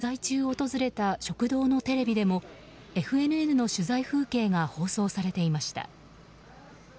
取材中訪れた食堂のテレビでもＦＮＮの取材風景が放送されていました。